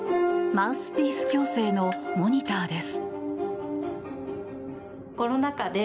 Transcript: マウスピース矯正のモニターです。